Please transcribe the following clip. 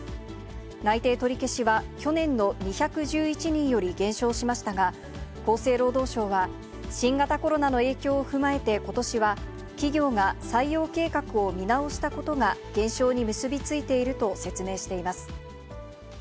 内定取り消しは去年の２１１人より減少しましたが、厚生労働省は、新型コロナの影響を踏まえて、ことしは企業が採用計画を見直したことが、減少に結び付いていると説明しています。